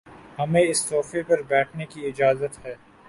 ہمیں اس صوفے پر بیٹھنے کی اجازت ہے